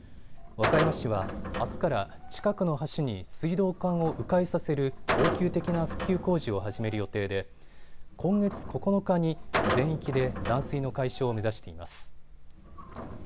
和歌山市はあすから近くの橋に水道管をう回させる応急的な復旧工事を始める予定で今月９日に全域で断水の解消を目指しています。